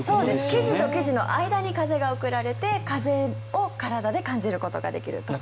生地と生地の間に風が送られて風を体で感じることができるという。